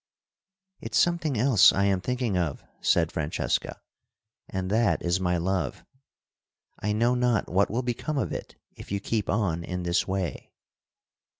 "It's something else I am thinking of," said Francesca, "and that is my love. I know not what will become of it if you keep on in this way."